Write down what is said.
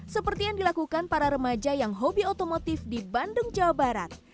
seperti yang dilakukan para remaja yang hobi otomotif di bandung jawa barat